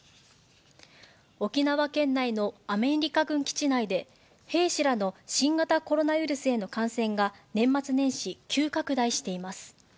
沖縄県内のアメリカ軍基地内で、兵士らの新型コロナウイルスへの感染が年末年始、急拡大しています。